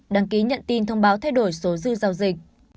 đăng ký nhận tin thông báo thay đổi số dư giao dịch